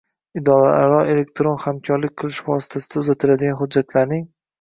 Idoralararo elektron hamkorlik qilish vositasida uzatiladigan hujjatlarning